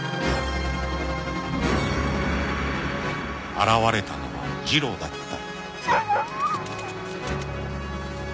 ［現れたのはジロだった］